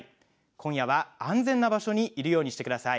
今夜は安全な場所にいるようにしてください。